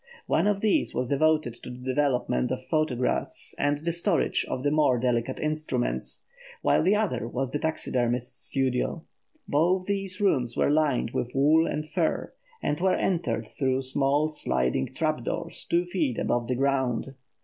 One of these was devoted to the development of photographs and the storage of the more delicate instruments, while the other was the taxidermist's studio. Both these rooms were lined with wool and fur, and were entered through small sliding trap doors two feet above the ground.